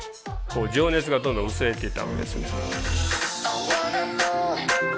情熱がどんどん薄れていったわけです。